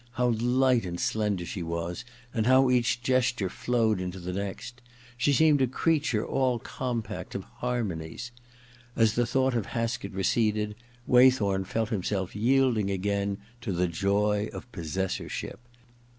How light and slender she was, and how each gesture flowed into the next ! She seemed a creature all com pact of harmonies. As the thought of Haskett receded, Waythorn felt himself yielding again to the joy of possessorship.